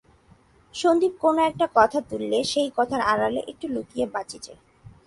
সন্দীপ কোনো-একটা কথা তুললে সেই কথার আড়ালে একটু লুকিয়ে বাঁচি যে।